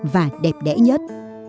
và đẹp đẽ nhất